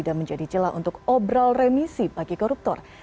dan menjadi celah untuk obrol remisi bagi koruptor